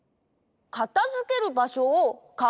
かたづけるばしょをかんがえる？